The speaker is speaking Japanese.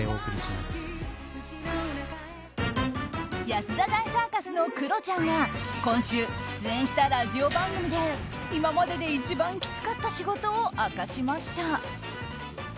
安田大サーカスのクロちゃんが今週、出演したラジオ番組で今までで一番きつかった仕事を明かしました。